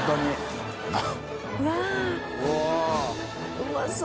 うまそう。